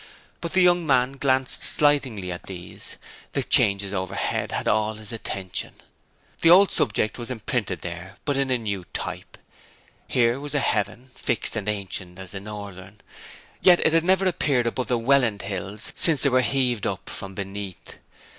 But the young man glanced slightingly at these; the changes overhead had all his attention. The old subject was imprinted there, but in a new type. Here was a heaven, fixed and ancient as the northern; yet it had never appeared above the Welland hills since they were heaved up from beneath.